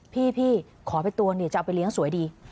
พี่ขอไปตัวเนี่ยจะเอาไปเลี้ยงสวยดี